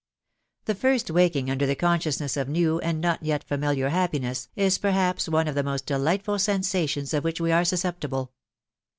The first waking under the consciousness of new, and not yet familiar happiness, is perhaps one of the most delightful sen sations of which we are susceptible.